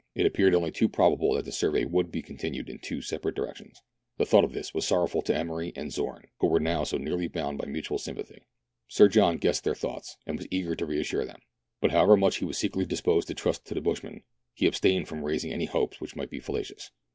It appeared only too probable that the survey would be continued in two separate direc tions. The thought of this was sorrowful to Emery and Zorn, who were now so nearly bound by mutual sympathy. Sir John guessed their thoughts, and was eager to reassure them ; but however much he was secretly disposed to trust to the bushman, he abstained from raising any hopes which might be fallacious.